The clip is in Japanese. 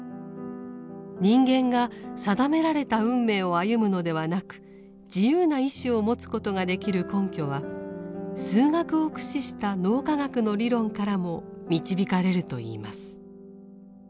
人間が定められた運命を歩むのではなく自由な意志を持つことができる根拠は数学を駆使した脳科学の理論からも導かれるといいます。